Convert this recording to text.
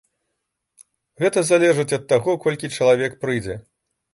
Гэта залежыць ад таго, колькі чалавек прыйдзе.